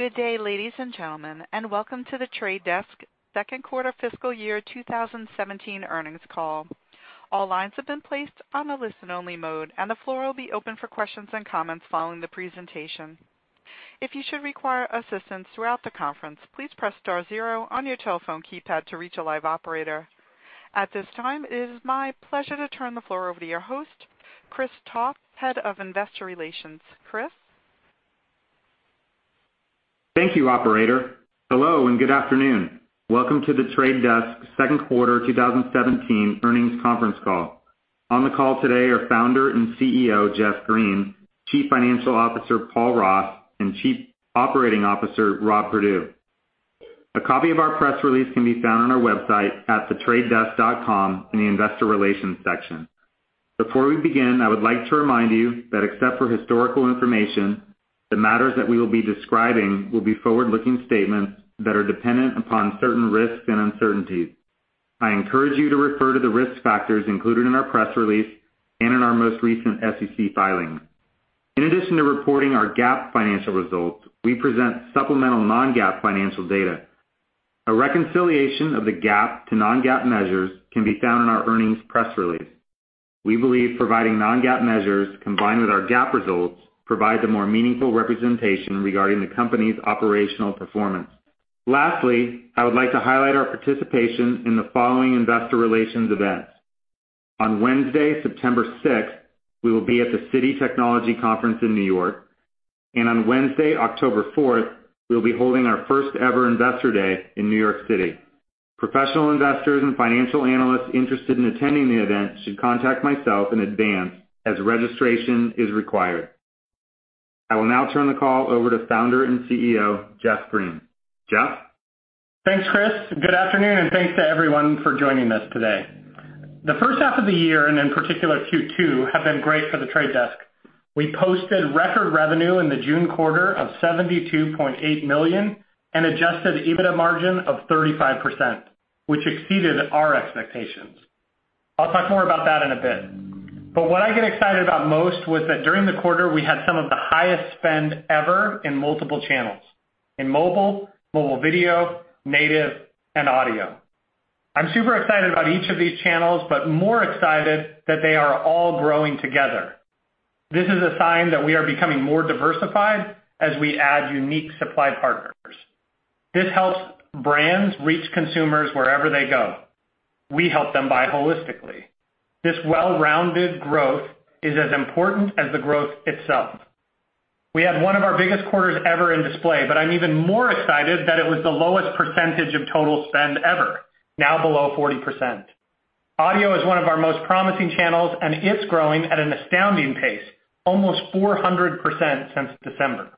Good day, ladies and gentlemen, welcome to The Trade Desk second quarter fiscal year 2017 earnings call. All lines have been placed on a listen-only mode, the floor will be open for questions and comments following the presentation. If you should require assistance throughout the conference, please press star zero on your telephone keypad to reach a live operator. At this time, it is my pleasure to turn the floor over to your host, Chris Toth, Head of Investor Relations. Chris? Thank you, operator. Hello, good afternoon. Welcome to The Trade Desk second quarter 2017 earnings conference call. On the call today are Founder and CEO, Jeff Green, Chief Financial Officer, Paul Ross, and Chief Operating Officer, Rob Perdue. A copy of our press release can be found on our website at thetradedesk.com in the investor relations section. Before we begin, I would like to remind you that except for historical information, the matters that we will be describing will be forward-looking statements that are dependent upon certain risks and uncertainties. I encourage you to refer to the risk factors included in our press release and in our most recent SEC filing. In addition to reporting our GAAP financial results, we present supplemental non-GAAP financial data. A reconciliation of the GAAP to non-GAAP measures can be found in our earnings press release. We believe providing non-GAAP measures combined with our GAAP results provides a more meaningful representation regarding the company's operational performance. Lastly, I would like to highlight our participation in the following investor relations events. On Wednesday, September sixth, we will be at the Citi Technology Conference in New York, on Wednesday, October fourth, we'll be holding our first-ever investor day in New York City. Professional investors and financial analysts interested in attending the event should contact myself in advance, as registration is required. I will now turn the call over to Founder and CEO, Jeff Green. Jeff? Thanks, Chris. Good afternoon, thanks to everyone for joining us today. The first half of the year, in particular Q2, have been great for The Trade Desk. We posted record revenue in the June quarter of $72.8 million and adjusted EBITDA margin of 35%, which exceeded our expectations. I'll talk more about that in a bit. What I get excited about most was that during the quarter, we had some of the highest spend ever in multiple channels, in mobile video, native, and audio. I'm super excited about each of these channels, more excited that they are all growing together. This is a sign that we are becoming more diversified as we add unique supply partners. This helps brands reach consumers wherever they go. We help them buy holistically. This well-rounded growth is as important as the growth itself. We had one of our biggest quarters ever in display, but I'm even more excited that it was the lowest percentage of total spend ever, now below 40%. Audio is one of our most promising channels, and it's growing at an astounding pace, almost 400% since December.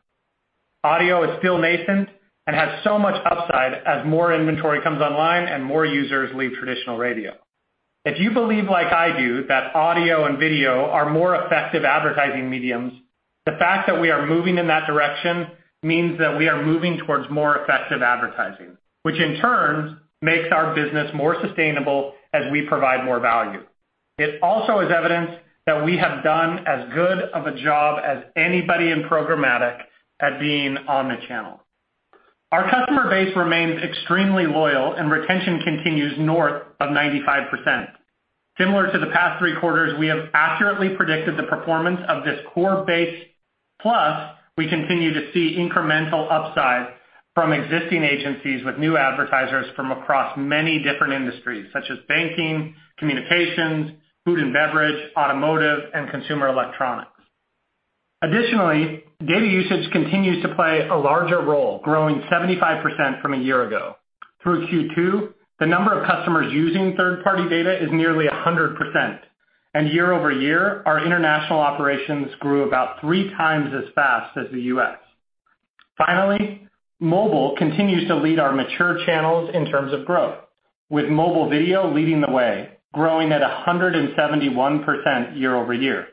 Audio is still nascent and has so much upside as more inventory comes online and more users leave traditional radio. If you believe like I do that audio and video are more effective advertising mediums, the fact that we are moving in that direction means that we are moving towards more effective advertising, which in turn makes our business more sustainable as we provide more value. It also is evidence that we have done as good of a job as anybody in programmatic at being on the channel. Our customer base remains extremely loyal, and retention continues north of 95%. Similar to the past 3 quarters, we have accurately predicted the performance of this core base. Plus, we continue to see incremental upside from existing agencies with new advertisers from across many different industries, such as banking, communications, food and beverage, automotive, and consumer electronics. Additionally, data usage continues to play a larger role, growing 75% from a year ago. Through Q2, the number of customers using third-party data is nearly 100%. Year-over-year, our international operations grew about 3 times as fast as the U.S. Mobile continues to lead our mature channels in terms of growth, with mobile video leading the way, growing at 171% year-over-year.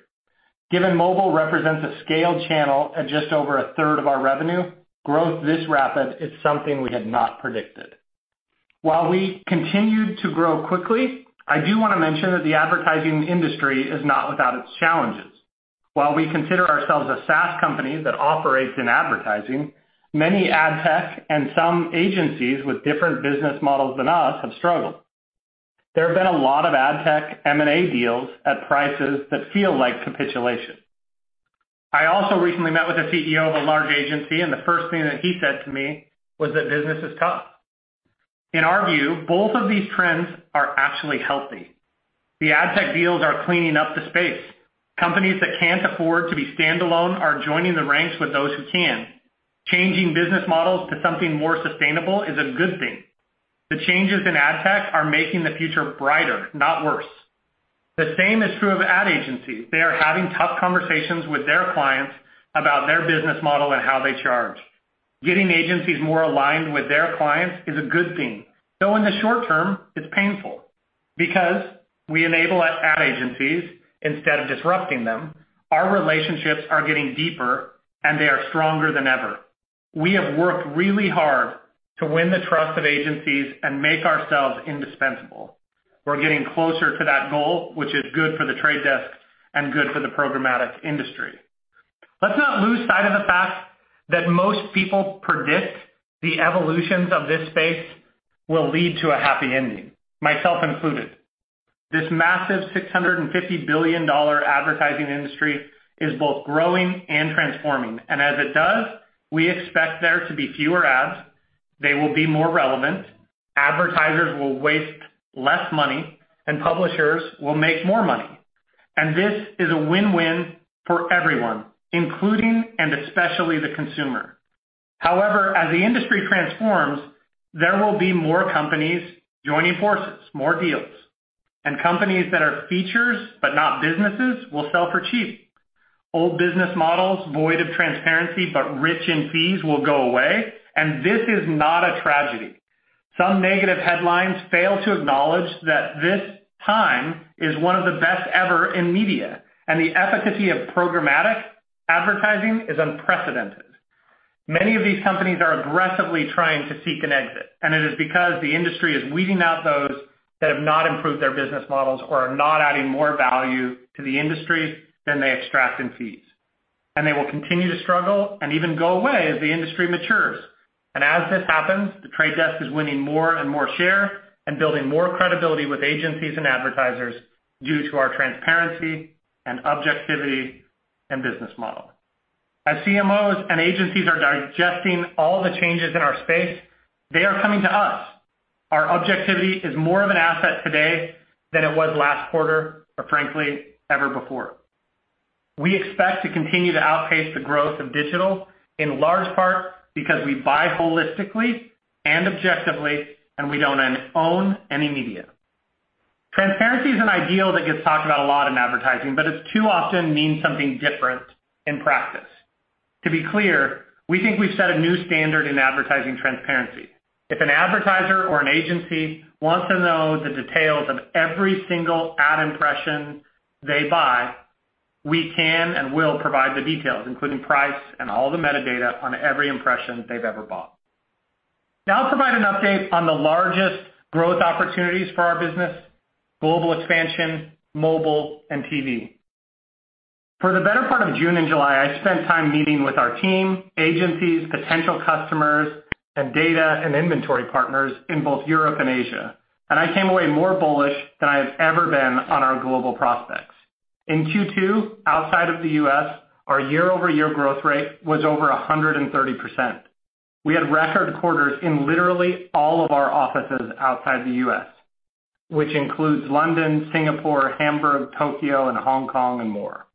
Given mobile represents a scaled channel at just over a third of our revenue, growth this rapid is something we had not predicted. While we continued to grow quickly, I do wanna mention that the advertising industry is not without its challenges. While we consider ourselves a SaaS company that operates in advertising, many ad tech and some agencies with different business models than us have struggled. There have been a lot of ad tech M&A deals at prices that feel like capitulation. I also recently met with a CEO of a large agency and the first thing that he said to me was that business is tough. In our view, both of these trends are actually healthy. The ad tech deals are cleaning up the space. Companies that can't afford to be standalone are joining the ranks with those who can. Changing business models to something more sustainable is a good thing. The changes in ad tech are making the future brighter, not worse. The same is true of ad agencies. They are having tough conversations with their clients about their business model and how they charge. Getting agencies more aligned with their clients is a good thing, though, in the short term, it's painful. Because we enable ad agencies instead of disrupting them, our relationships are getting deeper, and they are stronger than ever. We have worked really hard to win the trust of agencies and make ourselves indispensable. We're getting closer to that goal, which is good for The Trade Desk and good for the programmatic industry. Let's not lose sight of the fact that most people predict the evolutions of this space will lead to a happy ending, myself included. This massive $650 billion advertising industry is both growing and transforming. As it does, we expect there to be fewer ads, they will be more relevant, advertisers will waste less money, and publishers will make more money. This is a win-win for everyone, including and especially the consumer. However, as the industry transforms, there will be more companies joining forces, more deals, and companies that are features but not businesses will sell for cheap. Old business models, void of transparency but rich in fees will go away, and this is not a tragedy. Some negative headlines fail to acknowledge that this time is one of the best ever in media, and the efficacy of programmatic advertising is unprecedented. Many of these companies are aggressively trying to seek an exit. It is because the industry is weeding out those that have not improved their business models or are not adding more value to the industry than they extract in fees. They will continue to struggle and even go away as the industry matures. As this happens, The Trade Desk is winning more and more share and building more credibility with agencies and advertisers due to our transparency and objectivity and business model. As CMOs and agencies are digesting all the changes in our space, they are coming to us. Our objectivity is more of an asset today than it was last quarter, or frankly, ever before. We expect to continue to outpace the growth of digital, in large part because we buy holistically and objectively, and we don't own any media. Transparency is an ideal that gets talked about a lot in advertising, but it too often means something different in practice. To be clear, we think we've set a new standard in advertising transparency. If an advertiser or an agency wants to know the details of every single ad impression they buy, we can and will provide the details, including price and all the metadata on every impression they've ever bought. Now I'll provide an update on the largest growth opportunities for our business, global expansion, mobile, and TV. For the better part of June and July, I spent time meeting with our team, agencies, potential customers, and data and inventory partners in both Europe and Asia, and I came away more bullish than I have ever been on our global prospects. In Q2, outside of the U.S., our year-over-year growth rate was over 130%. We had record quarters in literally all of our offices outside the U.S., which includes London, Singapore, Hamburg, Tokyo, and Hong Kong and more.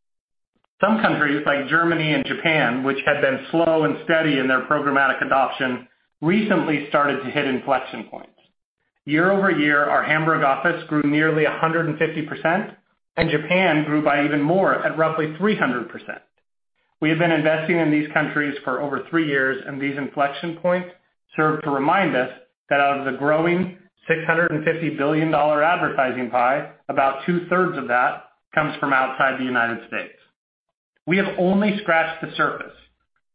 Some countries, like Germany and Japan, which had been slow and steady in their programmatic adoption, recently started to hit inflection points. Year-over-year, our Hamburg office grew nearly 150%, and Japan grew by even more at roughly 300%. We have been investing in these countries for over three years. These inflection points serve to remind us that out of the growing $650 billion advertising pie, about two-thirds of that comes from outside the United States. We have only scratched the surface.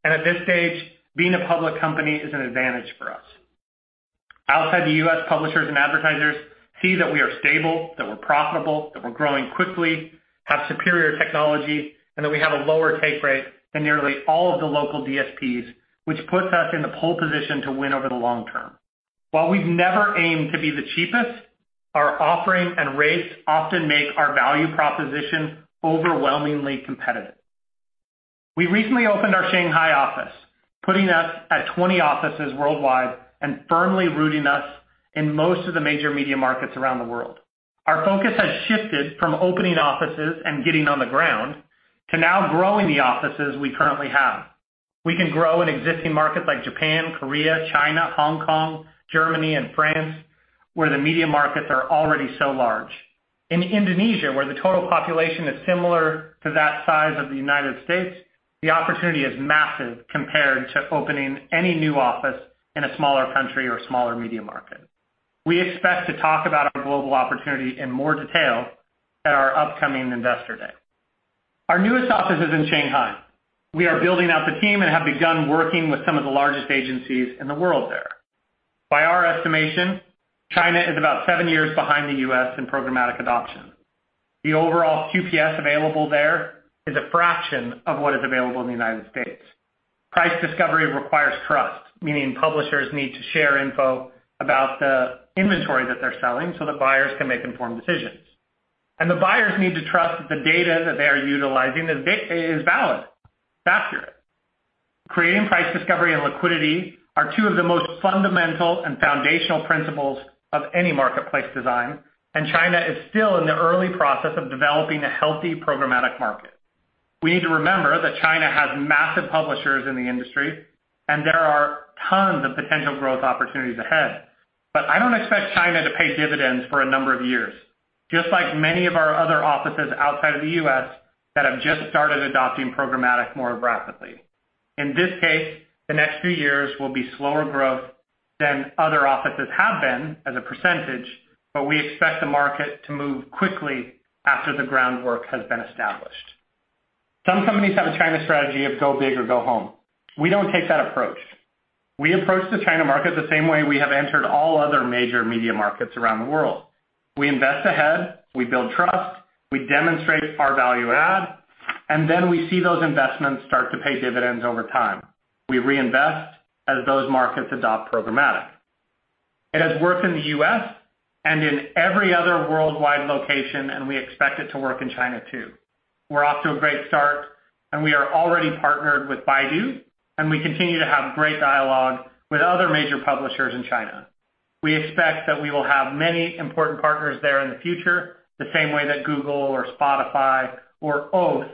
At this stage, being a public company is an advantage for us. Outside the U.S., publishers and advertisers see that we are stable, that we're profitable, that we're growing quickly, have superior technology, and that we have a lower take rate than nearly all of the local DSPs, which puts us in the pole position to win over the long term. While we've never aimed to be the cheapest, our offering and rates often make our value proposition overwhelmingly competitive. We recently opened our Shanghai office, putting us at 20 offices worldwide and firmly rooting us in most of the major media markets around the world. Our focus has shifted from opening offices and getting on the ground to now growing the offices we currently have. We can grow in existing markets like Japan, Korea, China, Hong Kong, Germany, and France, where the media markets are already so large. In Indonesia, where the total population is similar to that size of the United States, the opportunity is massive compared to opening any new office in a smaller country or smaller media market. We expect to talk about our global opportunity in more detail at our upcoming investor day. Our newest office is in Shanghai. We are building out the team and have begun working with some of the largest agencies in the world there. By our estimation, China is about seven years behind the U.S. in programmatic adoption. The overall QPS available there is a fraction of what is available in the United States. Price discovery requires trust, meaning publishers need to share info about the inventory that they're selling so that buyers can make informed decisions. The buyers need to trust that the data that they are utilizing is valid, it's accurate. Creating price discovery and liquidity are two of the most fundamental and foundational principles of any marketplace design. China is still in the early process of developing a healthy programmatic market. We need to remember that China has massive publishers in the industry. There are tons of potential growth opportunities ahead. I don't expect China to pay dividends for a number of years, just like many of our other offices outside of the U.S. that have just started adopting programmatic more rapidly. In this case, the next few years will be slower growth than other offices have been as a percentage, but we expect the market to move quickly after the groundwork has been established. Some companies have a China strategy of go big or go home. We don't take that approach. We approach the China market the same way we have entered all other major media markets around the world. We invest ahead, we build trust, we demonstrate our value add. Then we see those investments start to pay dividends over time. We reinvest as those markets adopt programmatic. It has worked in the U.S. and in every other worldwide location. We expect it to work in China too. We're off to a great start. We are already partnered with Baidu. We continue to have great dialogue with other major publishers in China. We expect that we will have many important partners there in the future, the same way that Google or Spotify or Oath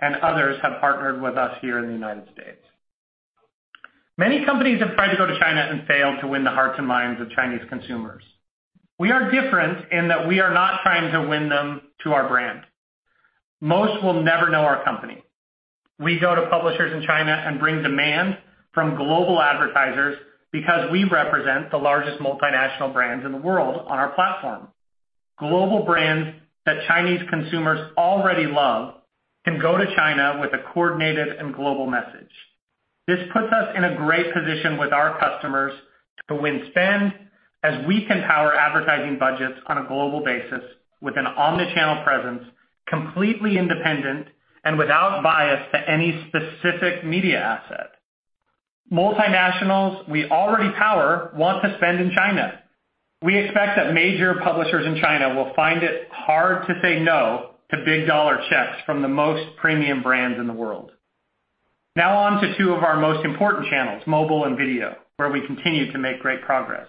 and others have partnered with us here in the United States. Many companies have tried to go to China and failed to win the hearts and minds of Chinese consumers. We are different in that we are not trying to win them to our brand. Most will never know our company. We go to publishers in China and bring demand from global advertisers because we represent the largest multinational brands in the world on our platform. Global brands that Chinese consumers already love can go to China with a coordinated and global message. This puts us in a great position with our customers to win spend, as we can power advertising budgets on a global basis with an omni-channel presence, completely independent and without bias to any specific media asset. Multinationals we already power want to spend in China. We expect that major publishers in China will find it hard to say no to big $ checks from the most premium brands in the world. On to two of our most important channels, mobile and video, where we continue to make great progress.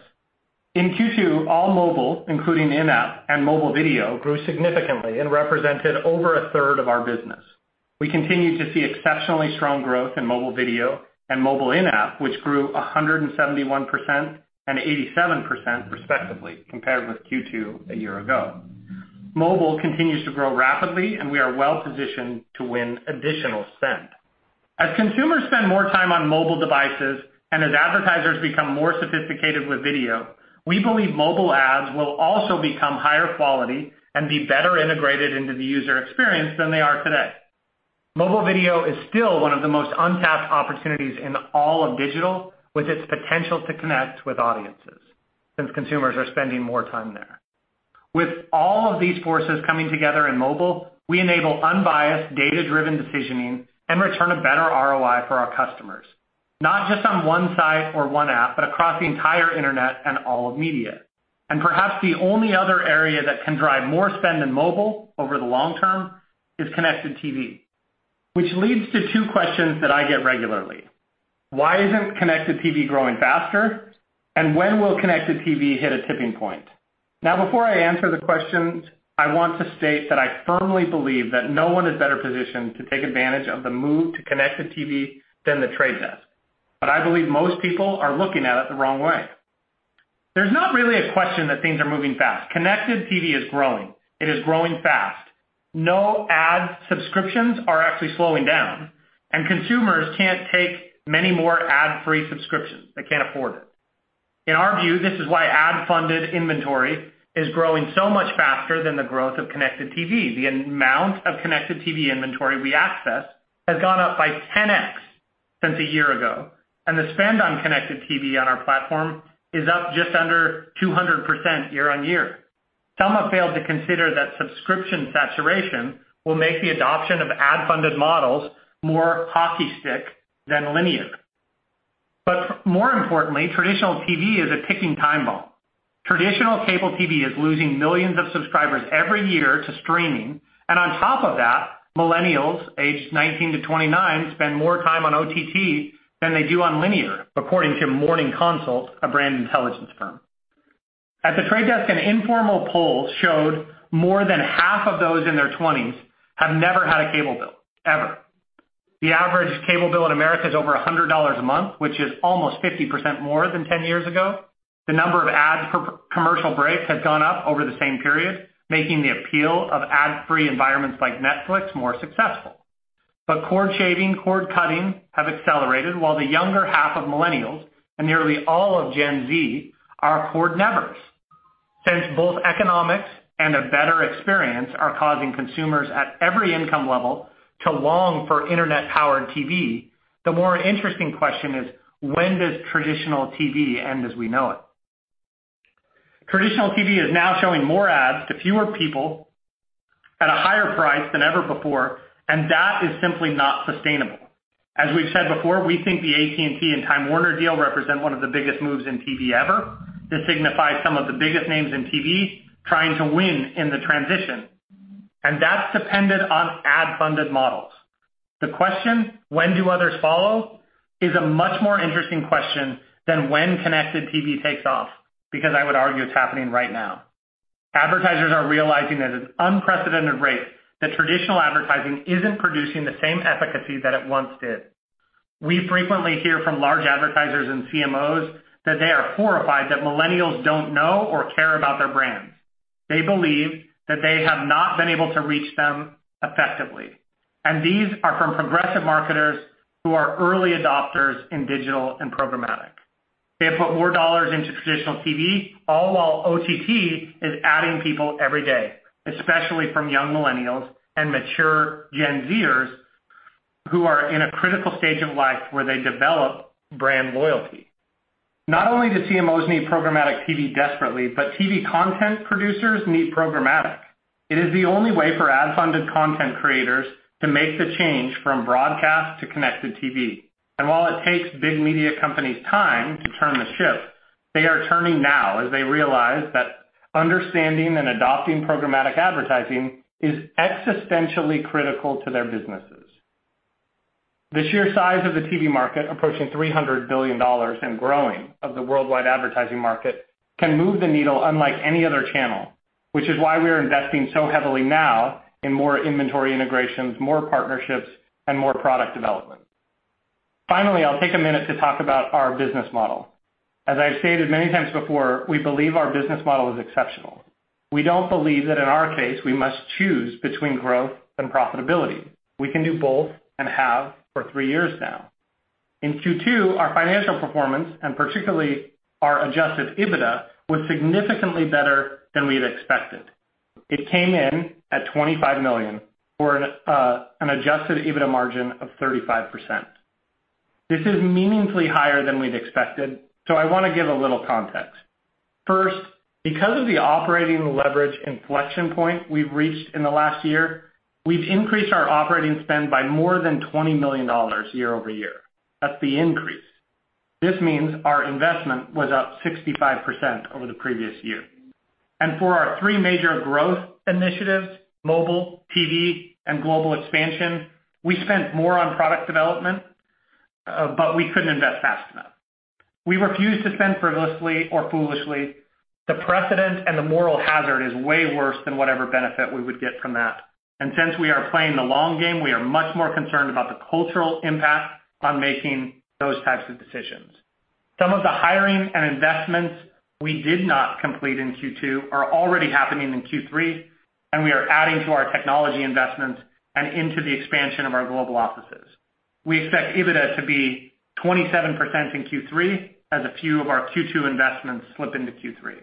In Q2, all mobile, including in-app and mobile video, grew significantly and represented over a third of our business. We continue to see exceptionally strong growth in mobile video and mobile in-app, which grew 171% and 87% respectively compared with Q2 a year ago. Mobile continues to grow rapidly, we are well-positioned to win additional spend. As consumers spend more time on mobile devices and as advertisers become more sophisticated with video, we believe mobile ads will also become higher quality and be better integrated into the user experience than they are today. Mobile video is still one of the most untapped opportunities in all of digital, with its potential to connect with audiences since consumers are spending more time there. With all of these forces coming together in mobile, we enable unbiased, data-driven decisioning and return a better ROI for our customers, not just on one site or one app, but across the entire internet and all of media. Perhaps the only other area that can drive more spend than mobile over the long term is connected TV, which leads to two questions that I get regularly. Why isn't connected TV growing faster? When will connected TV hit a tipping point? Before I answer the questions, I want to state that I firmly believe that no one is better positioned to take advantage of the move to connected TV than The Trade Desk. I believe most people are looking at it the wrong way. There's not really a question that things are moving fast. Connected TV is growing. It is growing fast. No ad subscriptions are actually slowing down, consumers can't take many more ad-free subscriptions. They can't afford it. In our view, this is why ad-funded inventory is growing so much faster than the growth of connected TV. The amount of connected TV inventory we access has gone up by 10X since a year ago, the spend on connected TV on our platform is up 167% Some have failed to consider that subscription saturation will make the adoption of ad-funded models more hockey stick than linear. More importantly, traditional TV is a ticking time bomb. Traditional cable TV is losing millions of subscribers every year to streaming, and on top of that, millennials aged 19 to 29 spend more time on OTT than they do on linear, according to Morning Consult, a brand intelligence firm. At The Trade Desk, an informal poll showed more than half of those in their 20s have never had a cable bill, ever. The average cable bill in the U.S. is over $100 a month, which is almost 50% more than 10 years ago. The number of ad commercial breaks has gone up over the same period, making the appeal of ad-free environments like Netflix more successful. Cord shaving, cord cutting have accelerated, while the younger half of millennials and nearly all of Gen Z are cord nevers. Since both economics and a better experience are causing consumers at every income level to long for internet-powered TV, the more interesting question is: when does traditional TV end as we know it? Traditional TV is now showing more ads to fewer people at a higher price than ever before, that is simply not sustainable. As we've said before, we think the AT&T and Time Warner deal represent one of the biggest moves in TV ever. This signifies some of the biggest names in TV trying to win in the transition, that's dependent on ad-funded models. The question, when do others follow, is a much more interesting question than when connected TV takes off, because I would argue it's happening right now. Advertisers are realizing at an unprecedented rate that traditional advertising isn't producing the same efficacy that it once did. We frequently hear from large advertisers and CMOs that they are horrified that millennials don't know or care about their brands. They believe that they have not been able to reach them effectively. These are from progressive marketers who are early adopters in digital and programmatic. They have put more dollars into traditional TV, all while OTT is adding people every day, especially from young millennials and mature Gen Z-ers who are in a critical stage of life where they develop brand loyalty. Not only do CMOs need programmatic TV desperately, TV content producers need programmatic. It is the only way for ad-funded content creators to make the change from broadcast to connected TV. While it takes big media companies time to turn the ship, they are turning now as they realize that understanding and adopting programmatic advertising is existentially critical to their businesses. The sheer size of the TV market, approaching $300 billion and growing of the worldwide advertising market, can move the needle unlike any other channel, which is why we are investing so heavily now in more inventory integrations, more partnerships, and more product development. Finally, I'll take a minute to talk about our business model. As I've stated many times before, we believe our business model is exceptional. We don't believe that in our case, we must choose between growth and profitability. We can do both and have for three years now. In Q2, our financial performance, and particularly our adjusted EBITDA, was significantly better than we had expected. It came in at $25 million for an adjusted EBITDA margin of 35%. This is meaningfully higher than we'd expected, I want to give a little context. First, because of the operating leverage inflection point we've reached in the last year, we've increased our operating spend by more than $20 million year-over-year. That's the increase. This means our investment was up 65% over the previous year. For our 3 major growth initiatives, mobile, TV, and global expansion, we spent more on product development, but we couldn't invest fast enough. We refuse to spend frivolously or foolishly. The precedent and the moral hazard is way worse than whatever benefit we would get from that. Since we are playing the long game, we are much more concerned about the cultural impact on making those types of decisions. Some of the hiring and investments we did not complete in Q2 are already happening in Q3, and we are adding to our technology investments and into the expansion of our global offices. We expect EBITDA to be 27% in Q3 as a few of our Q2 investments slip into Q3.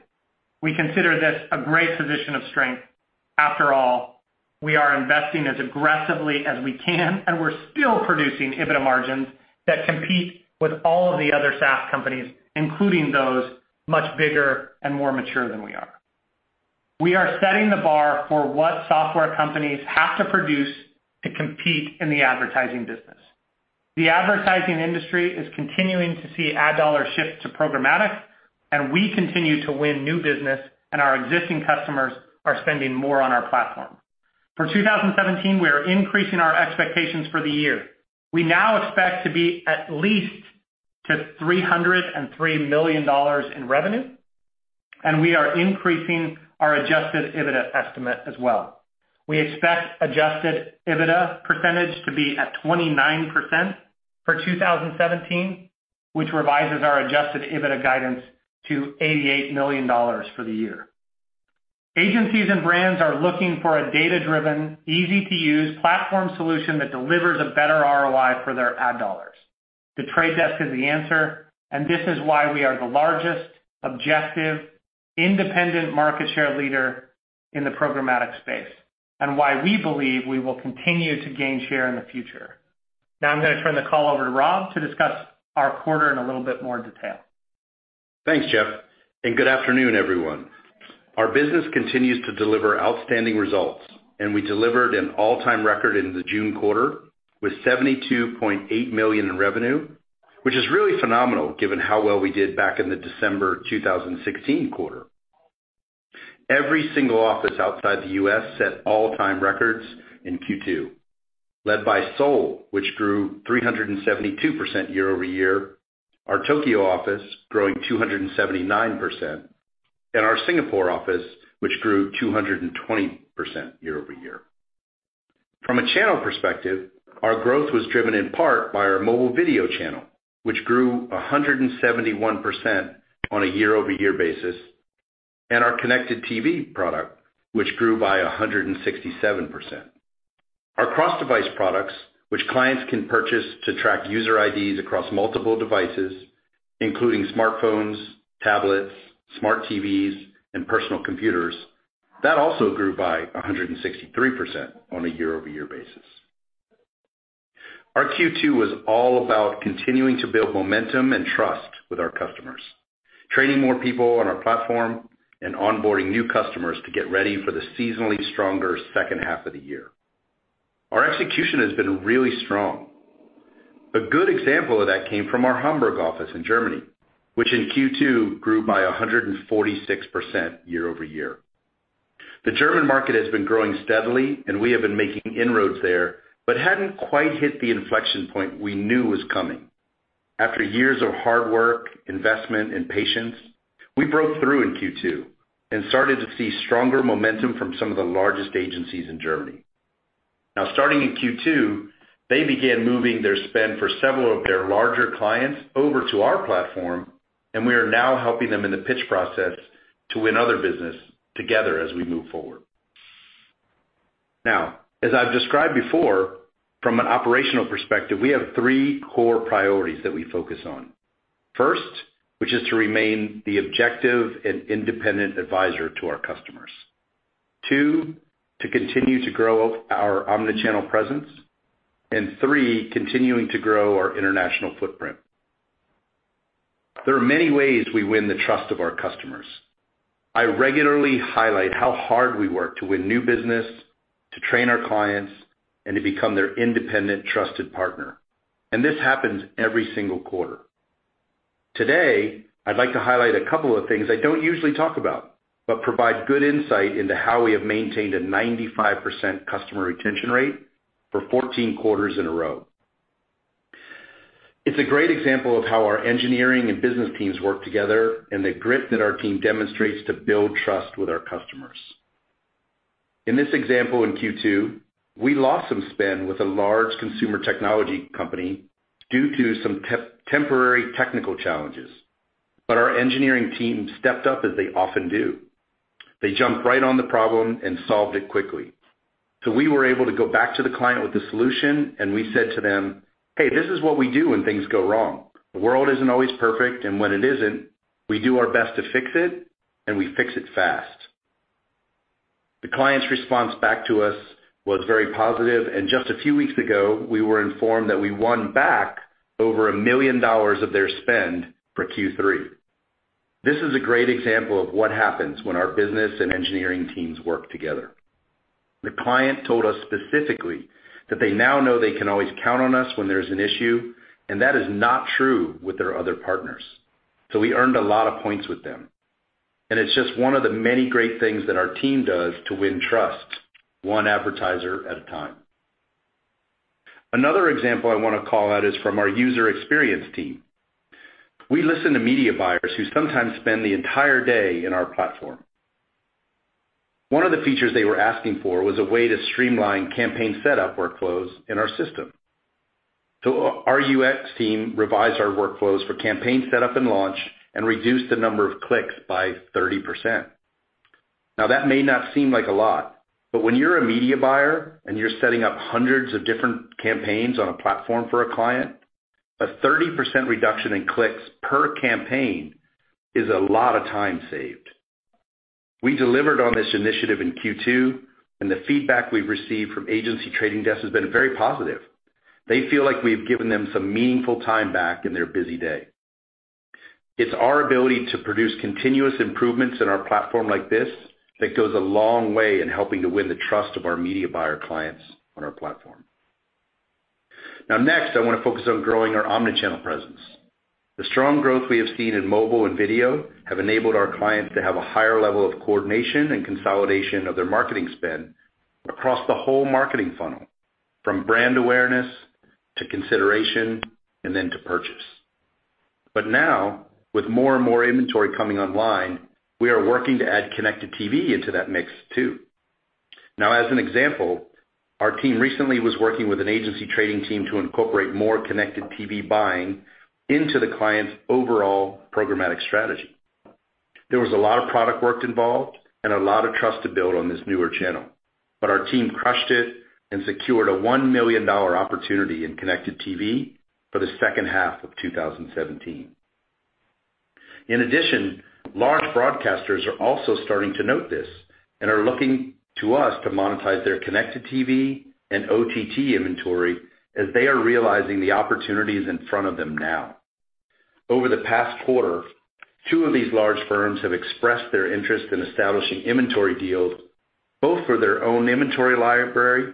We consider this a great position of strength. After all, we are investing as aggressively as we can, and we're still producing EBITDA margins that compete with all of the other SaaS companies, including those much bigger and more mature than we are. We are setting the bar for what software companies have to produce to compete in the advertising business. The advertising industry is continuing to see ad dollars shift to programmatic, and we continue to win new business, and our existing customers are spending more on our platform. For 2017, we are increasing our expectations for the year. We now expect to be at least to $303 million in revenue, and we are increasing our adjusted EBITDA estimate as well. We expect adjusted EBITDA percentage to be at 29% for 2017, which revises our adjusted EBITDA guidance to $88 million for the year. Agencies and brands are looking for a data-driven, easy-to-use platform solution that delivers a better ROI for their ad dollars. The Trade Desk is the answer, and this is why we are the largest objective, independent market share leader in the programmatic space, and why we believe we will continue to gain share in the future. I'm going to turn the call over to Rob to discuss our quarter in a little bit more detail. Thanks, Jeff, and good afternoon, everyone. Our business continues to deliver outstanding results, and we delivered an all-time record in the June quarter with $72.8 million in revenue, which is really phenomenal given how well we did back in the December 2016 quarter. Every single office outside the U.S. set all-time records in Q2, led by Seoul, which grew 372% year-over-year, our Tokyo office growing 279%, and our Singapore office, which grew 220% year-over-year. From a channel perspective, our growth was driven in part by our mobile video channel, which grew 171% on a year-over-year basis, and our connected TV product, which grew by 167%. Our cross-device products, which clients can purchase to track user IDs across multiple devices, including smartphones, tablets, smart TVs, and personal computers, that also grew by 163% on a year-over-year basis. Our Q2 was all about continuing to build momentum and trust with our customers, training more people on our platform and onboarding new customers to get ready for the seasonally stronger second half of the year. Our execution has been really strong. A good example of that came from our Hamburg office in Germany, which in Q2 grew by 146% year-over-year. The German market has been growing steadily and we have been making inroads there, but hadn't quite hit the inflection point we knew was coming. After years of hard work, investment, and patience, we broke through in Q2 and started to see stronger momentum from some of the largest agencies in Germany. Starting in Q2, they began moving their spend for several of their larger clients over to our platform, and we are now helping them in the pitch process to win other business together as we move forward. As I've described before, from an operational perspective, we have three core priorities that we focus on. First, which is to remain the objective and independent advisor to our customers. Two, to continue to grow our omni-channel presence. Three, continuing to grow our international footprint. There are many ways we win the trust of our customers. I regularly highlight how hard we work to win new business, to train our clients, and to become their independent, trusted partner, and this happens every single quarter. Today, I'd like to highlight a couple of things I don't usually talk about, but provide good insight into how we have maintained a 95% customer retention rate for 14 quarters in a row. It's a great example of how our engineering and business teams work together and the grit that our team demonstrates to build trust with our customers. In this example in Q2, we lost some spend with a large consumer technology company due to some temporary technical challenges. Our engineering team stepped up, as they often do. They jumped right on the problem and solved it quickly. We were able to go back to the client with a solution, and we said to them, "Hey, this is what we do when things go wrong. The world isn't always perfect, and when it isn't, we do our best to fix it and we fix it fast." The client's response back to us was very positive, and just a few weeks ago, we were informed that we won back over $1 million of their spend for Q3. This is a great example of what happens when our business and engineering teams work together. The client told us specifically that they now know they can always count on us when there's an issue, and that is not true with their other partners. We earned a lot of points with them, and it's just one of the many great things that our team does to win trust one advertiser at a time. Another example I want to call out is from our user experience team. We listen to media buyers who sometimes spend the entire day in our platform. One of the features they were asking for was a way to streamline campaign setup workflows in our system. Our UX team revised our workflows for campaign setup and launch and reduced the number of clicks by 30%. That may not seem like a lot, but when you're a media buyer and you're setting up hundreds of different campaigns on a platform for a client, a 30% reduction in clicks per campaign is a lot of time saved. We delivered on this initiative in Q2, and the feedback we've received from agency trading desks has been very positive. They feel like we've given them some meaningful time back in their busy day. It's our ability to produce continuous improvements in our platform like this that goes a long way in helping to win the trust of our media buyer clients on our platform. Next, I want to focus on growing our omni-channel presence. The strong growth we have seen in mobile and video have enabled our clients to have a higher level of coordination and consolidation of their marketing spend across the whole marketing funnel, from brand awareness to consideration and then to purchase. Now, with more and more inventory coming online, we are working to add connected TV into that mix too. As an example, our team recently was working with an agency trading team to incorporate more connected TV buying into the client's overall programmatic strategy. There was a lot of product work involved and a lot of trust to build on this newer channel, but our team crushed it and secured a $1 million opportunity in connected TV for the second half of 2017. In addition, large broadcasters are also starting to note this and are looking to us to monetize their connected TV and OTT inventory as they are realizing the opportunities in front of them now. Over the past quarter, two of these large firms have expressed their interest in establishing inventory deals, both for their own inventory library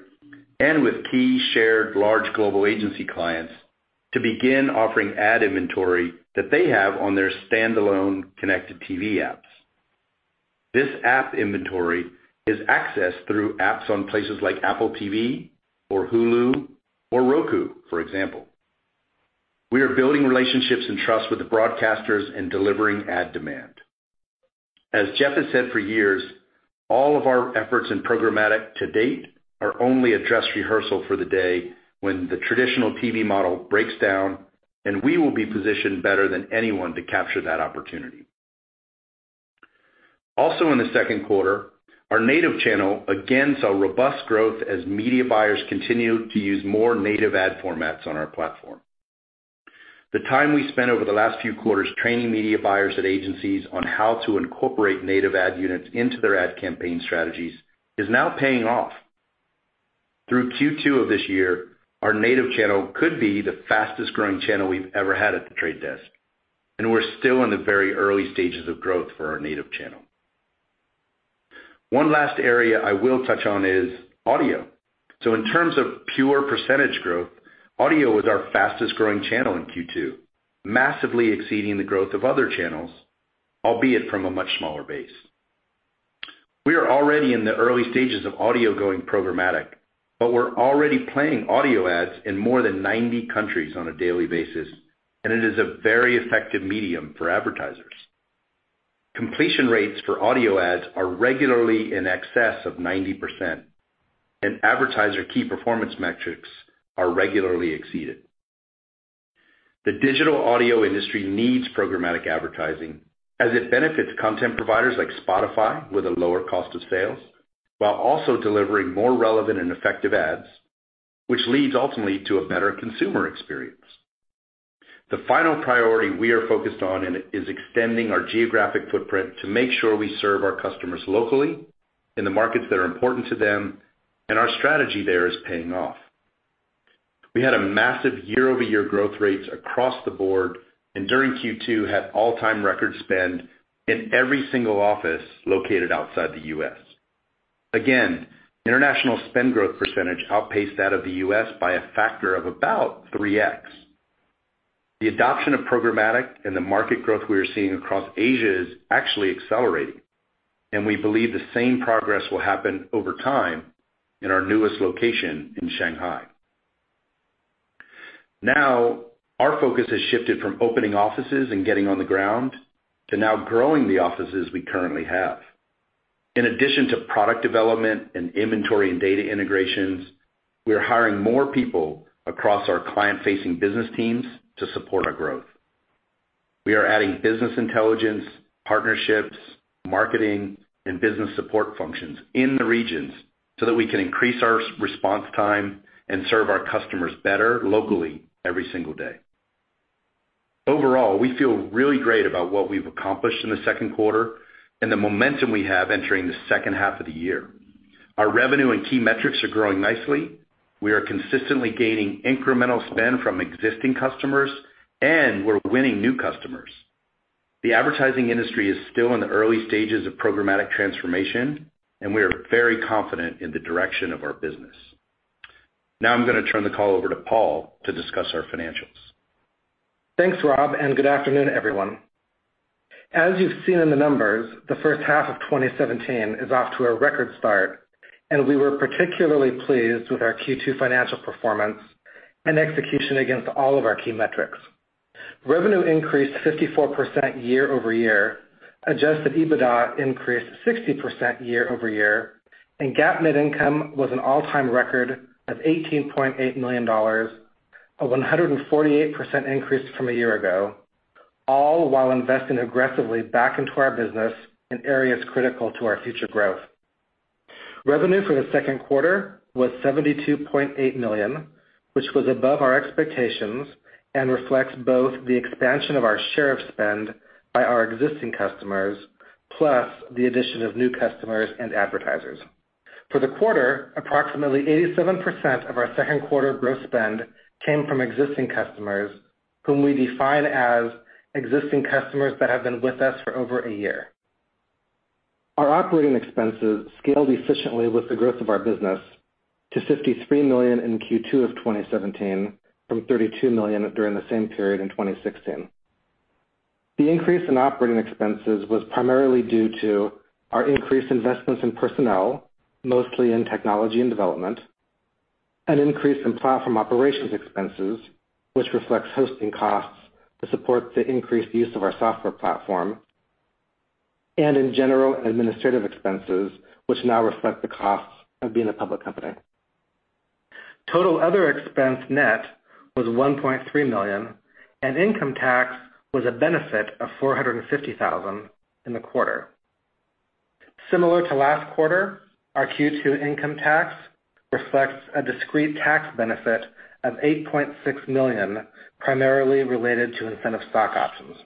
and with key shared large global agency clients to begin offering ad inventory that they have on their standalone connected TV apps. This app inventory is accessed through apps on places like Apple TV or Hulu or Roku, for example. We are building relationships and trust with the broadcasters and delivering ad demand. As Jeff has said for years, all of our efforts in programmatic to date are only a dress rehearsal for the day when the traditional TV model breaks down, and we will be positioned better than anyone to capture that opportunity. Also in the second quarter, our native channel again saw robust growth as media buyers continued to use more native ad formats on our platform. The time we spent over the last few quarters training media buyers at agencies on how to incorporate native ad units into their ad campaign strategies is now paying off. Through Q2 of this year, our native channel could be the fastest-growing channel we've ever had at The Trade Desk, and we're still in the very early stages of growth for our native channel. One last area I will touch on is audio. In terms of pure percentage growth, audio was our fastest-growing channel in Q2, massively exceeding the growth of other channels, albeit from a much smaller base. We are already in the early stages of audio going programmatic, but we're already playing audio ads in more than 90 countries on a daily basis, and it is a very effective medium for advertisers. Completion rates for audio ads are regularly in excess of 90%, and advertiser key performance metrics are regularly exceeded. The digital audio industry needs programmatic advertising as it benefits content providers like Spotify with a lower cost of sales, while also delivering more relevant and effective ads, which leads ultimately to a better consumer experience. The final priority we are focused on is extending our geographic footprint to make sure we serve our customers locally in the markets that are important to them, our strategy there is paying off. We had massive year-over-year growth rates across the board, and during Q2 had all-time record spend in every single office located outside the U.S. International spend growth percentage outpaced that of the U.S. by a factor of about 3x. The adoption of programmatic and the market growth we are seeing across Asia is actually accelerating, and we believe the same progress will happen over time in our newest location in Shanghai. Our focus has shifted from opening offices and getting on the ground to now growing the offices we currently have. In addition to product development and inventory and data integrations, we are hiring more people across our client-facing business teams to support our growth. We are adding business intelligence, partnerships, marketing, and business support functions in the regions so that we can increase our response time and serve our customers better locally every single day. We feel really great about what we've accomplished in the second quarter and the momentum we have entering the second half of the year. Our revenue and key metrics are growing nicely. We are consistently gaining incremental spend from existing customers, and we're winning new customers. The advertising industry is still in the early stages of programmatic transformation, and we are very confident in the direction of our business. I'm going to turn the call over to Paul to discuss our financials. Thanks, Rob, and good afternoon, everyone. As you've seen in the numbers, the first half of 2017 is off to a record start, and we were particularly pleased with our Q2 financial performance and execution against all of our key metrics. Revenue increased 54% year-over-year, adjusted EBITDA increased 60% year-over-year, and GAAP net income was an all-time record of $18.8 million, a 148% increase from a year ago, all while investing aggressively back into our business in areas critical to our future growth. Revenue for the second quarter was $72.8 million, which was above our expectations and reflects both the expansion of our share of spend by our existing customers, plus the addition of new customers and advertisers. For the quarter, approximately 87% of our second quarter gross spend came from existing customers, whom we define as existing customers that have been with us for over a year. Our operating expenses scaled efficiently with the growth of our business to $53 million in Q2 of 2017 from $32 million during the same period in 2016. The increase in operating expenses was primarily due to our increased investments in personnel, mostly in technology and development, an increase in platform operations expenses, which reflects hosting costs to support the increased use of our software platform, and in general and administrative expenses, which now reflect the costs of being a public company. Total other expense net was $1.3 million, and income tax was a benefit of $450,000 in the quarter. Similar to last quarter, our Q2 income tax reflects a discrete tax benefit of $8.6 million, primarily related to incentive stock options.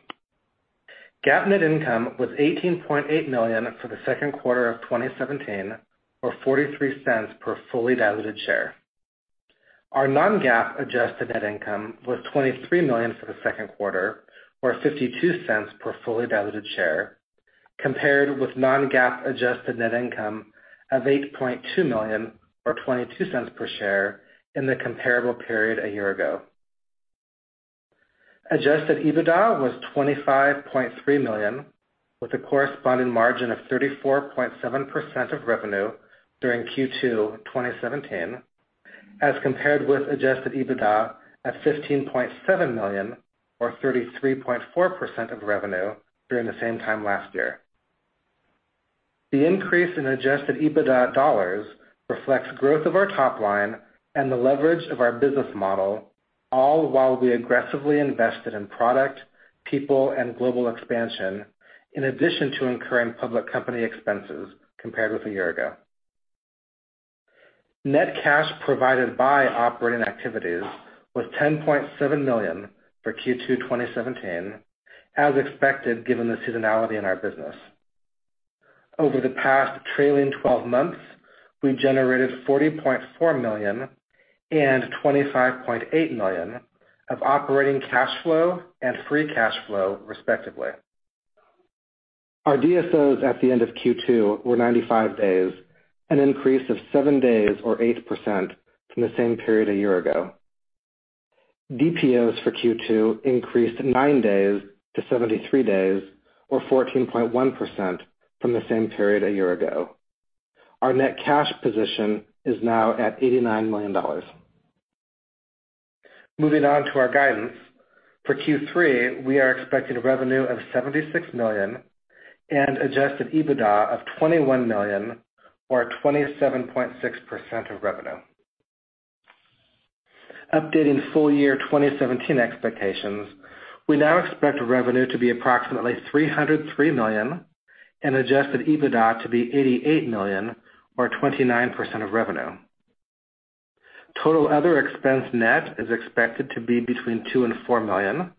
GAAP net income was $18.8 million for the second quarter of 2017, or $0.43 per fully diluted share. Our non-GAAP adjusted net income was $23 million for the second quarter, or $0.52 per fully diluted share, compared with non-GAAP adjusted net income of $8.2 million or $0.22 per share in the comparable period a year ago. Adjusted EBITDA was $25.3 million, with a corresponding margin of 34.7% of revenue during Q2 2017, as compared with adjusted EBITDA at $15.7 million or 33.4% of revenue during the same time last year. The increase in adjusted EBITDA dollars reflects growth of our top line and the leverage of our business model, all while we aggressively invested in product, people, and global expansion, in addition to incurring public company expenses compared with a year ago. Net cash provided by operating activities was $10.7 million for Q2 2017, as expected, given the seasonality in our business. Over the past trailing 12 months, we generated $40.4 million and $25.8 million of operating cash flow and free cash flow, respectively. Our DSOs at the end of Q2 were 95 days, an increase of seven days or 8% from the same period a year ago. DPOs for Q2 increased nine days to 73 days, or 14.1% from the same period a year ago. Our net cash position is now at $89 million. Moving on to our guidance. For Q3, we are expecting revenue of $76 million, adjusted EBITDA of $21 million or 27.6% of revenue. Updating full year 2017 expectations, we now expect revenue to be approximately $303 million and adjusted EBITDA to be $88 million or 29% of revenue. Total other expense net is expected to be between $2 million and $4 million,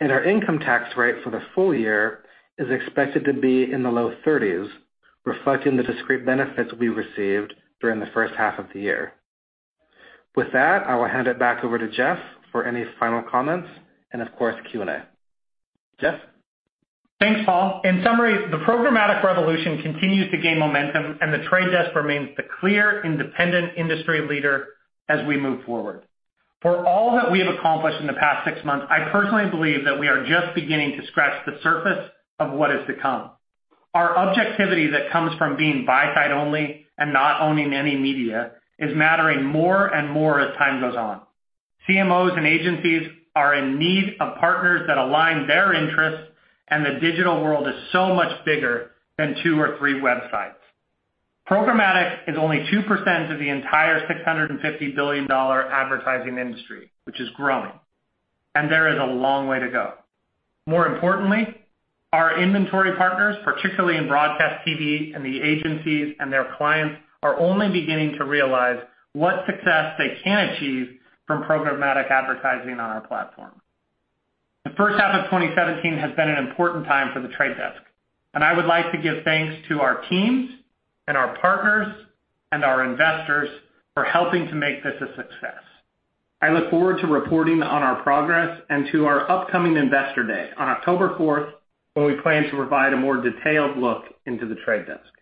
and our income tax rate for the full year is expected to be in the low 30s, reflecting the discrete benefits we received during the first half of the year. With that, I will hand it back over to Jeff for any final comments and of course, Q&A. Jeff? Thanks, Paul. In summary, the programmatic revolution continues to gain momentum. The Trade Desk remains the clear independent industry leader as we move forward. For all that we have accomplished in the past six months, I personally believe that we are just beginning to scratch the surface of what is to come. Our objectivity that comes from being buy-side only and not owning any media is mattering more and more as time goes on. CMOs and agencies are in need of partners that align their interests. The digital world is so much bigger than two or three websites. Programmatic is only 2% of the entire $650 billion advertising industry, which is growing. There is a long way to go. More importantly, our inventory partners, particularly in broadcast TV and the agencies and their clients, are only beginning to realize what success they can achieve from programmatic advertising on our platform. The first half of 2017 has been an important time for The Trade Desk. I would like to give thanks to our teams and our partners and our investors for helping to make this a success. I look forward to reporting on our progress and to our upcoming investor day on October 4th, when we plan to provide a more detailed look into The Trade Desk.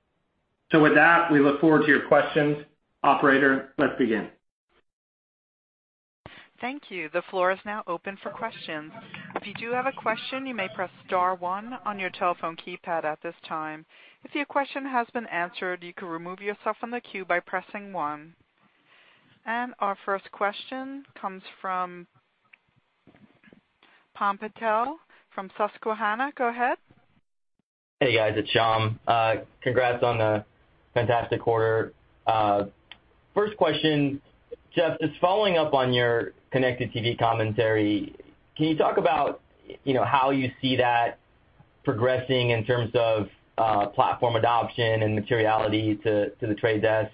With that, we look forward to your questions. Operator, let's begin. Thank you. The floor is now open for questions. If you do have a question, you may press star one on your telephone keypad at this time. If your question has been answered, you can remove yourself from the queue by pressing one. Our first question comes from Shyam Patil from Susquehanna. Go ahead. Hey, guys. It's Shyam. Congrats on a fantastic quarter. First question, Jeff, just following up on your connected TV commentary, can you talk about how you see that progressing in terms of platform adoption and materiality to The Trade Desk?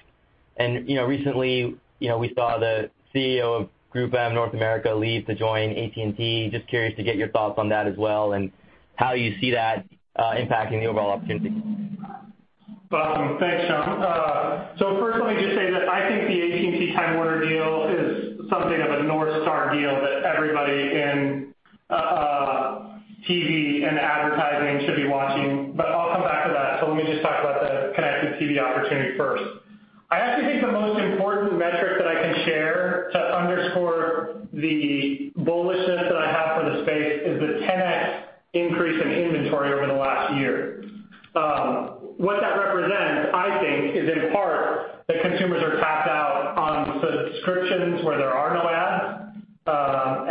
Recently, we saw the CEO of GroupM North America leave to join AT&T. Just curious to get your thoughts on that as well, and how you see that impacting the overall opportunity. Awesome. Thanks, Shyam. First, let me just say that I think the AT&T Time Warner deal is something of a North Star deal that everybody in TV and advertising should be watching. I'll come back to that. Let me just talk about the connected TV opportunity first. I actually think the most important metric that I can share to underscore the bullishness that I have for the space is the 10x increase in inventory over the last year. What that represents, I think, is in part that consumers are tapped out on subscriptions where there are no ads,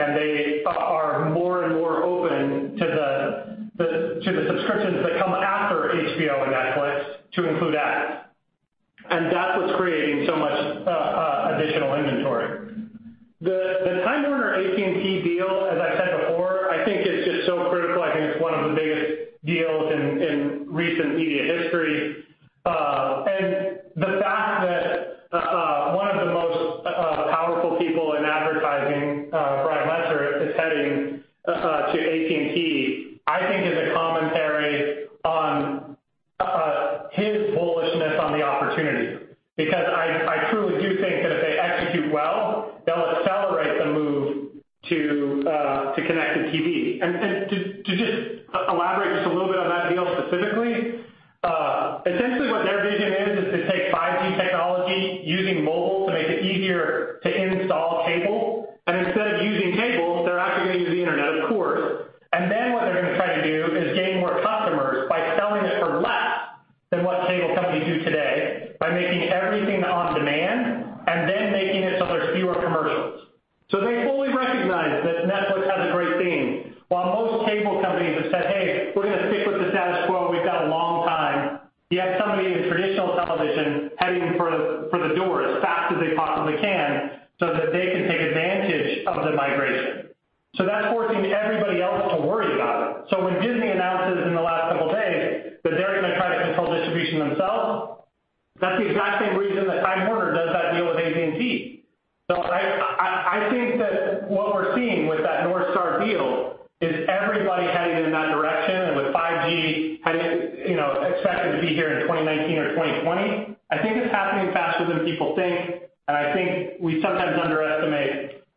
and they are more and more open to the subscriptions that come after HBO and Netflix to include ads. That's what's creating so much additional inventory. The Time Warner AT&T deal, as I said before, I think is just so critical. I think it's one of the biggest deals in recent media history.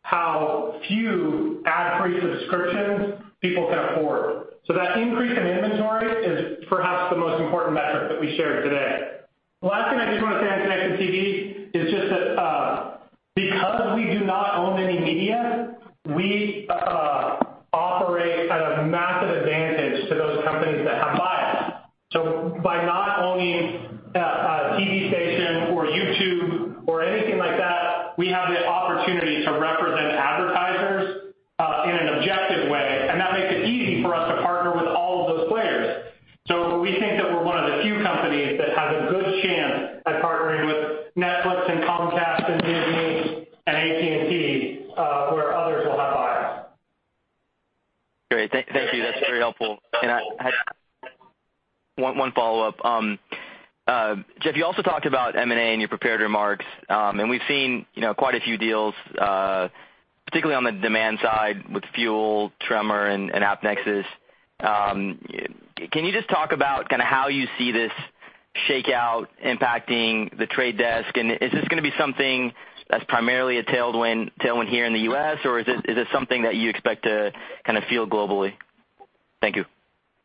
how few ad-free subscriptions people can afford. That increase in inventory is perhaps the most important metric that we shared today. The last thing I just want to say on connected TV is just that because we do not own any media, we operate at a massive advantage to those companies that have bias. By not owning a TV station or YouTube or anything like that, we have the opportunity to represent advertisers in an objective way, and that makes it easy for us to partner with all of those players. We think that we're one of the few companies that has a good chance at partnering with Netflix and Comcast and Disney and AT&T, where others will have buyers. Great. Thank you. That's very helpful. I had one follow-up. Jeff, you also talked about M&A in your prepared remarks. We've seen quite a few deals, particularly on the demand side with Fuel, Tremor and AppNexus. Can you just talk about how you see this shakeout impacting The Trade Desk? Is this going to be something that's primarily a tailwind here in the U.S., or is it something that you expect to feel globally? Thank you.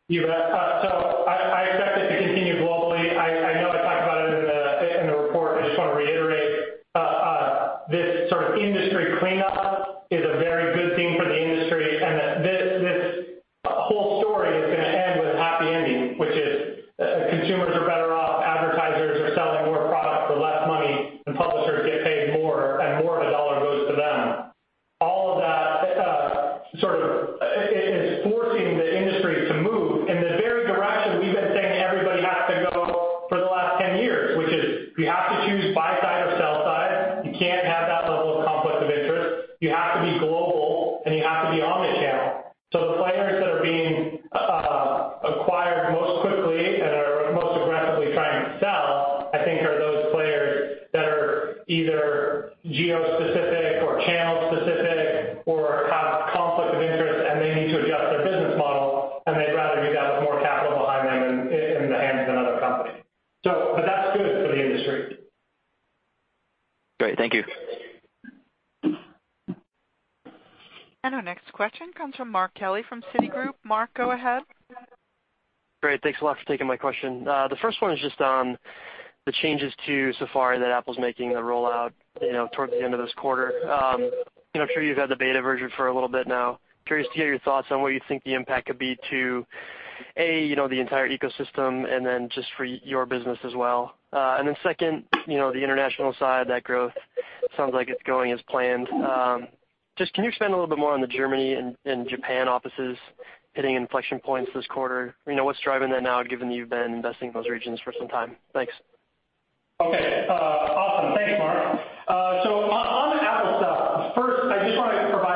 Yeah. I expect it to continue Just can you expand a little bit more on the Germany and Japan offices hitting inflection points this quarter? What's driving that now, given that you've been investing in those regions for some time? Thanks. Okay. Awesome. Thanks, Mark. On the Apple stuff, first, I just want to provide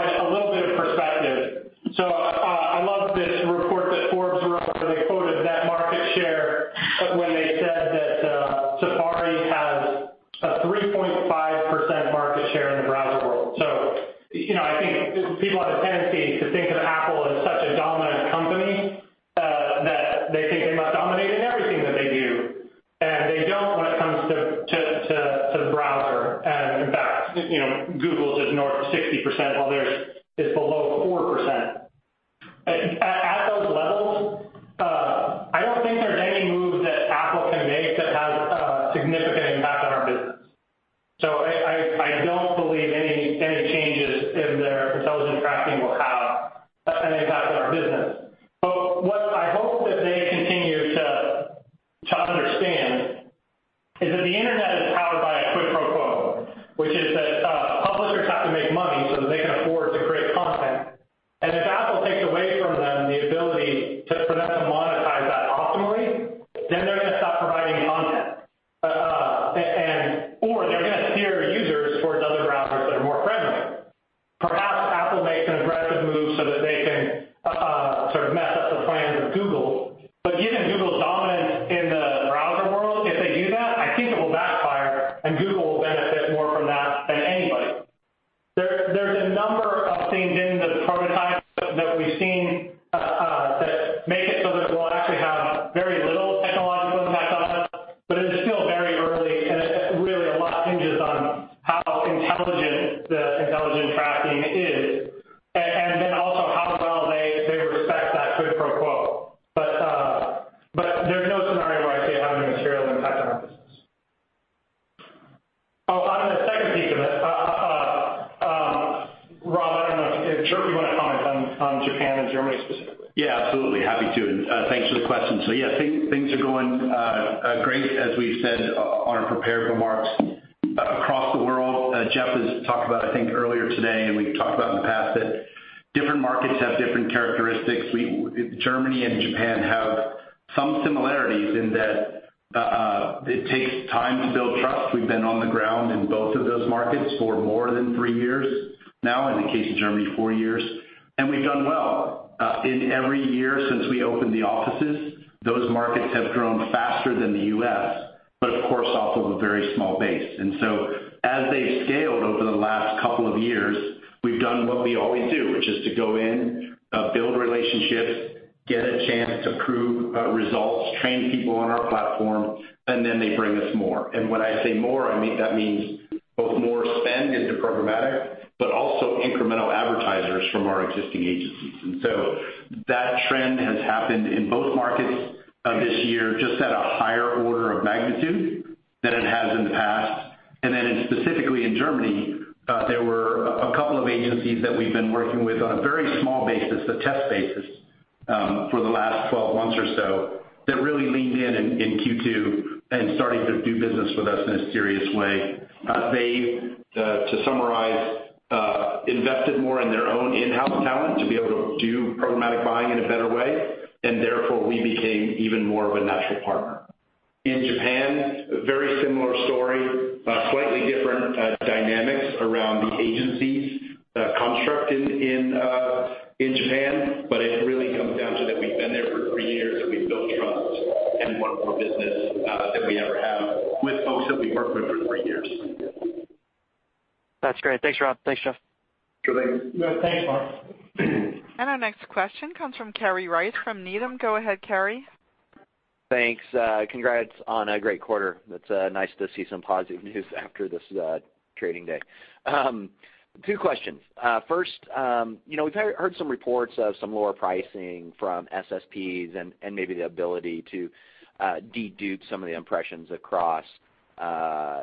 a little bit of perspective. I love this report that Forbes wrote where they quoted that market share when they said that Safari has a 3.5% market share in the browser world. I think people have a tendency to think of Apple as such a dominant company, that they think they must dominate in everything that they do. They don't when it comes to the browser. In fact, Google's is north of 60%, while theirs but of course, off of a very small base. As they've scaled over the last couple of years, we've done what we always do, which is to go in, build relationships, get a chance to prove results, train people on our platform, they bring us more. When I say more, that means both more spend into programmatic, but also incremental advertisers from our existing agencies. That trend has happened in both markets this year, just at a higher order of magnitude than it has in the past. Specifically in Germany, there were a couple of agencies that we've been working with on a very small basis, a test basis for the last 12 months or so, that really leaned in in Q2 and starting to do business with us in a serious way. They've, to summarize, invested more in their own in-house talent to be able to do programmatic buying in a better way, therefore we became even more of a natural partner. In Japan, a very similar story, slightly different dynamics around the agencies construct in Japan, it really comes down to that we've been there for three years, we've built trust and won more business than we ever have with folks that we've worked with for three years. That's great. Thanks, Rob. Thanks, Jeff. Sure thing. Yeah. Thanks, Mark. Our next question comes from Kerry Rice from Needham. Go ahead, Kerry. Thanks. Congrats on a great quarter. It is nice to see some positive news after this trading day. Two questions. First, we have heard some reports of some lower pricing from SSPs and maybe the ability to de-dupe some of the impressions across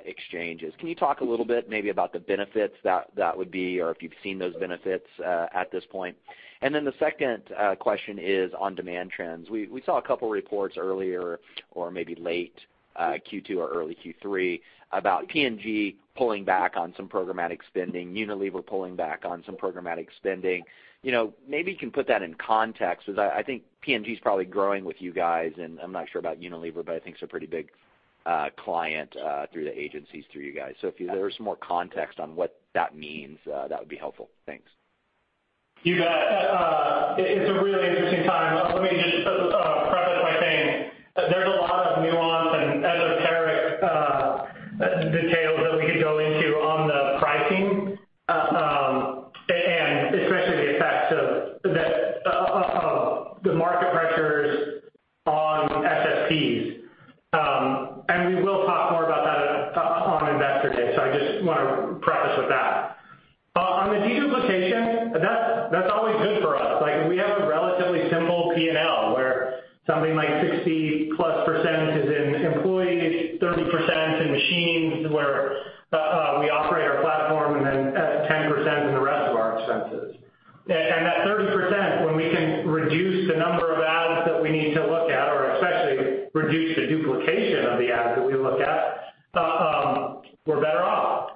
exchanges. Can you talk a little bit maybe about the benefits that would be, or if you have seen those benefits at this point? The second question is on demand trends. We saw a couple of reports earlier, or maybe late Q2 or early Q3, about P&G pulling back on some programmatic spending, Unilever pulling back on some programmatic spending. Maybe you can put that in context, because I think P&G is probably growing with you guys, and I am not sure about Unilever, but I think it is a pretty big client through the agencies through you guys. If there was more context on what that means, that would be helpful. Thanks. You bet. It is a really interesting time. Let me just preface by saying there is a lot of nuance and esoteric details that we could go into on the pricing, especially the effects of the market pressures on SSPs. We will talk more about that on Investor Day. I just want to preface with that. On the de-duplication, that is always good for us. We have a relatively simple P&L where something like 60+% is in employees, 30% in machines where we operate our platform, 10% in the rest of our expenses. That 30%, when we can reduce the number of ads that we need to look at, or especially reduce the duplication of the ads that we look at, we are better off.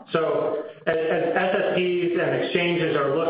As SSPs and exchanges are looking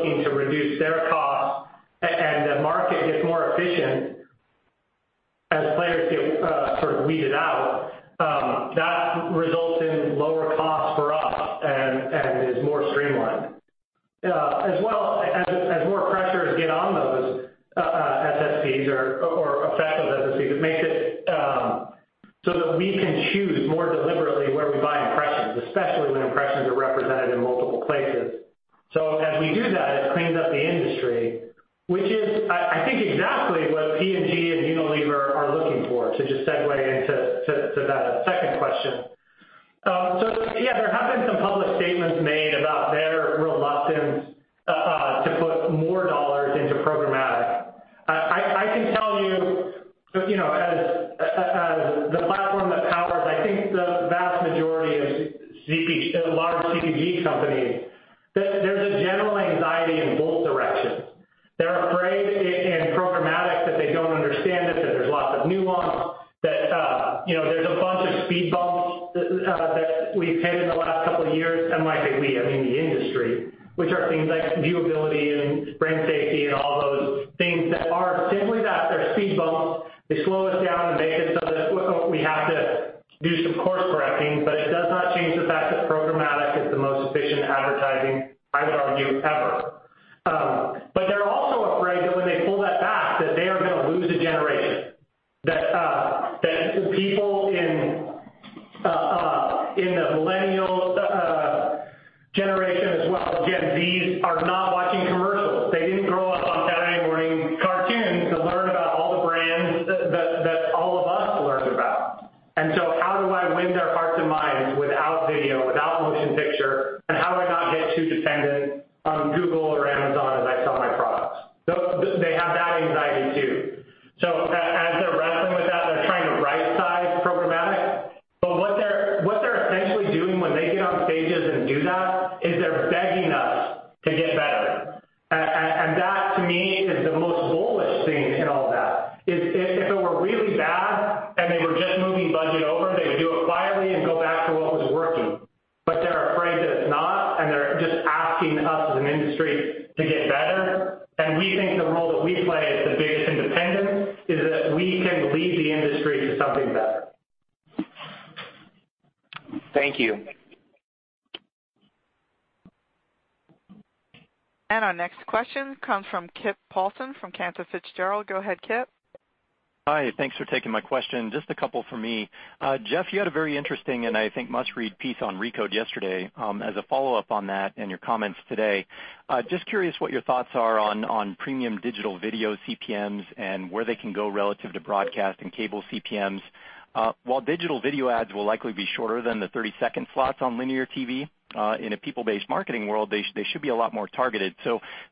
in a people-based marketing world, they should be a lot more targeted.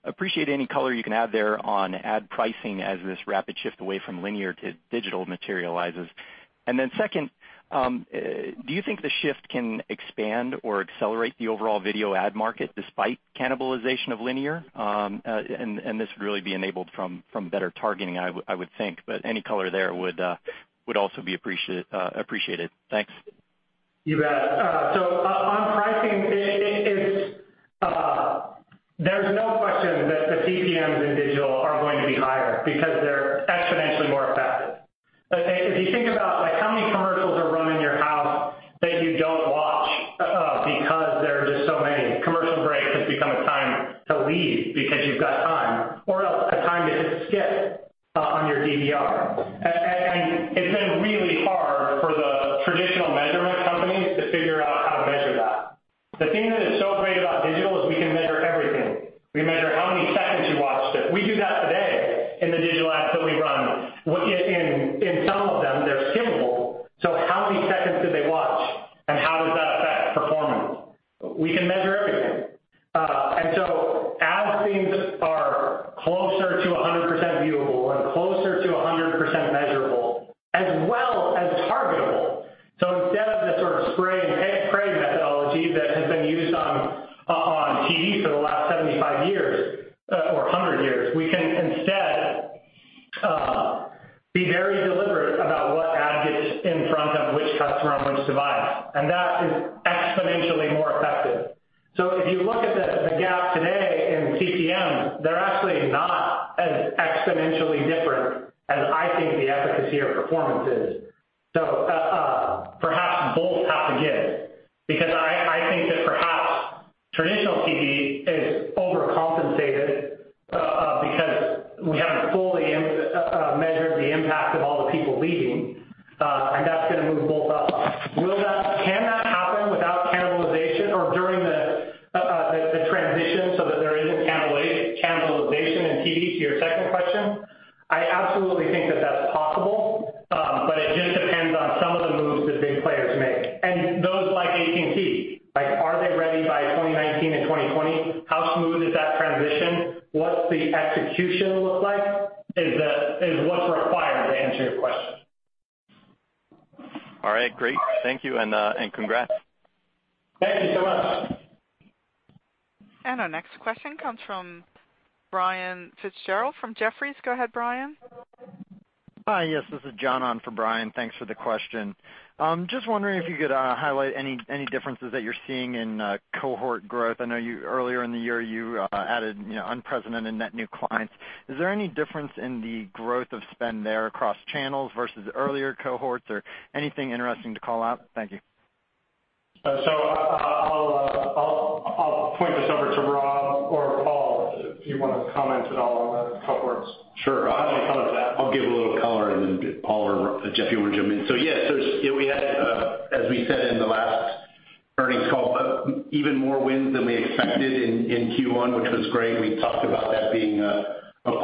Appreciate any color you can add there on ad pricing as this rapid shift away from linear to digital materializes. Second, do you think the shift can expand or accelerate the overall video ad market despite cannibalization of linear? This would really be enabled from better targeting, I would think. Any color there would also be appreciated. Thanks. You bet. On pricing, there's no question that the CPMs in digital are going to be higher because they're exponentially more effective. If you think about how many commercials are run in your house that you don't watch because there are just so many. Commercial breaks has become a time to leave because you've got time, or else a time to hit skip on your DVR. It's been really hard for the traditional measurement companies to figure out how to measure that. The thing that is so great about digital is we can measure everything. We measure how many seconds you watched it. We do that today in the digital ads that we run. Just wondering if you could highlight any differences that you're seeing in cohort growth. I know earlier in the year you added unprecedented net new clients. Is there any difference in the growth of spend there across channels versus earlier cohorts or anything interesting to call out? Thank you. I'll point this over to Rob Perdue or Paul Ross, if you want to comment at all on the cohorts. Sure. I'll have you comment on that. I'll give a little color and Paul Ross or Jeff Green, you want to jump in? Yes, we had, as we said in the last earnings call, even more wins than we expected in Q1, which was great. We talked about that being a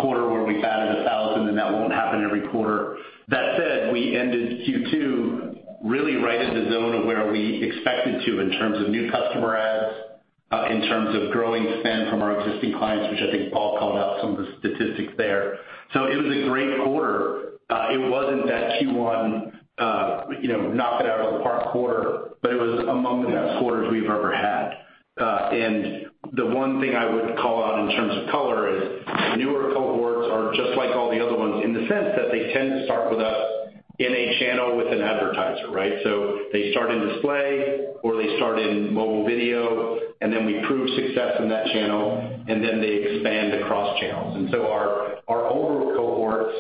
quarter where we batted 1,000, and that won't happen every quarter. That said, we ended Q2 really right in the zone of where we expected to in terms of new customer adds, in terms of growing spend from our existing clients, which I think Paul Ross called out some of the statistics there. It was a great quarter. It wasn't that Q1 knock it out of the park quarter, but it was among the best quarters we've ever had. The one thing I would call out in terms of color is newer cohorts are just like all the other ones in the sense that they tend to start with us in a channel with an advertiser, right? They start in display, or they start in mobile video, we prove success in that channel, and they expand across channels. Our older cohorts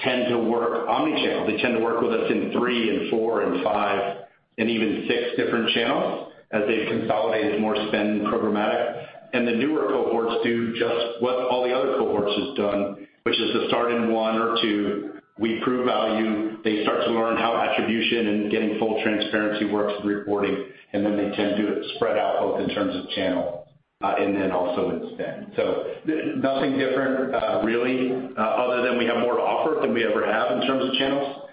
tend to work omni-channel. They tend to work with us in three and four and five and even six different channels as they've consolidated more spend programmatic. The newer cohorts do just what all the other cohorts have done, which is to start in one or two. We prove value. They start to learn how attribution and getting full transparency works with reporting, and they tend to spread out both in terms of channel and also in spend. Nothing different really, other than we have more to offer than we ever have in terms of channels.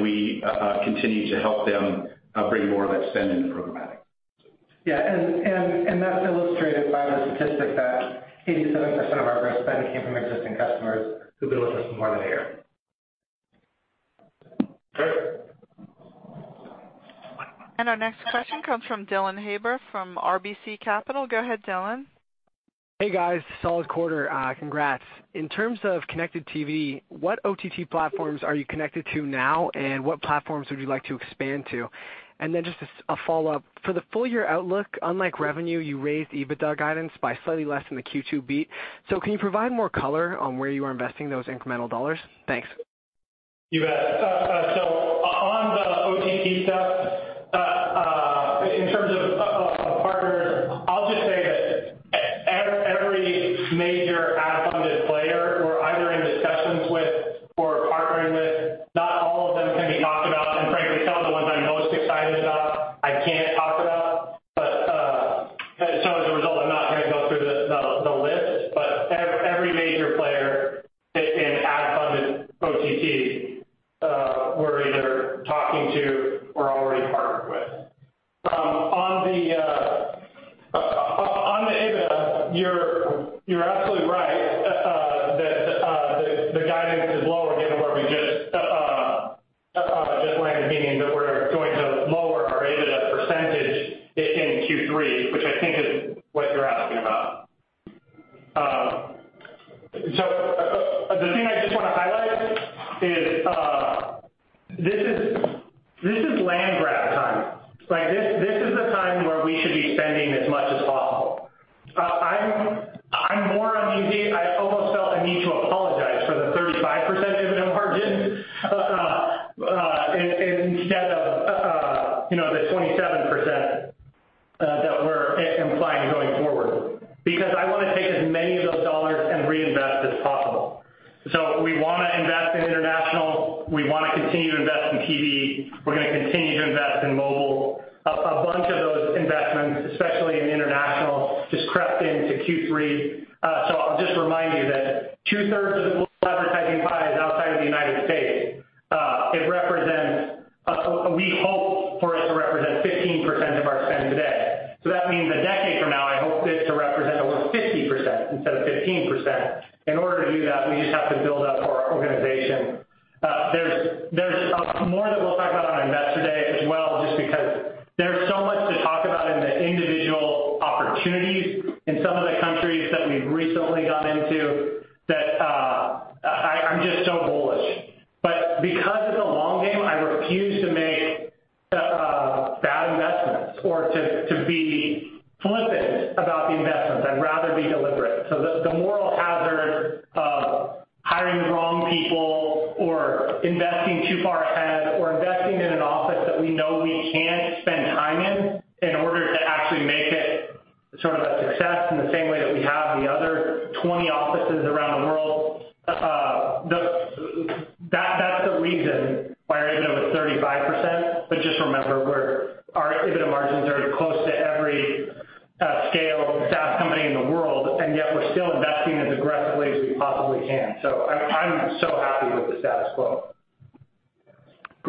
We continue to help them bring more of that spend into programmatic. That's illustrated by the statistic that 87% of our gross spend came from existing customers who've been with us for more than a year. Great. Our next question comes from Dylan Haber from RBC Capital. Go ahead, Dylan. Hey, guys. Solid quarter. Congrats. In terms of connected TV, what OTT platforms are you connected to now, and what platforms would you like to expand to? Just a follow-up. For the full-year outlook, unlike revenue, you raised EBITDA guidance by slightly less than the Q2 beat. Can you provide more color on where you are investing those incremental dollars? Thanks. On the OTT stuff,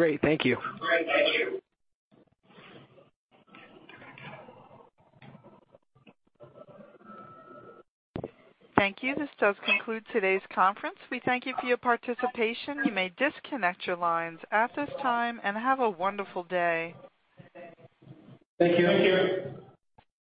why our EBITDA was 35%. Just remember, our EBITDA margins are as close to every scale SaaS company in the world, and yet we're still investing as aggressively as we possibly can. I'm so happy with the status quo. Great. Thank you. Great. Thank you. Thank you. This does conclude today's conference. We thank you for your participation. You may disconnect your lines at this time, and have a wonderful day. Thank you.